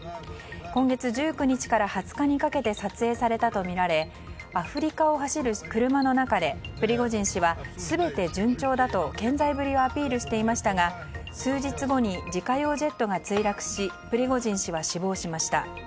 今月１９日から２０日にかけて撮影されたとみられアフリカを走る車の中でプリゴジン氏は全て順調だと、健在ぶりをアピールしていましたが数日後に自家用ジェットが墜落しプリゴジン氏は死亡しました。